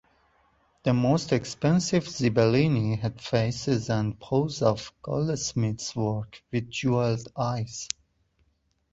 The most expensive zibellini had faces and paws of goldsmith's work with jewelled eyes.